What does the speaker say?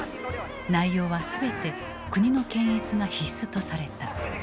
内容は全て国の検閲が必須とされた。